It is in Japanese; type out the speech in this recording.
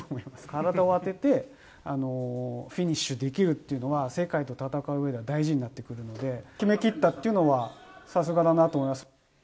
体を当てて、フィニッシュできるっていうのは、世界で戦ううえでは大事になってくるので、決めきったっていうのは、さすがだなと思います。